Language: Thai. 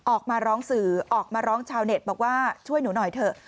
ออกมาร้องสื่อออกมาร้องชาวเน็ตบอกว่าช่วยหนูหน่อยเถอะ